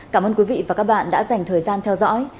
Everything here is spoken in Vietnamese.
cảm ơn quý vị và các bạn đã dành thời gian theo dõi